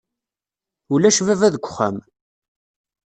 Ulac baba deg uxxam.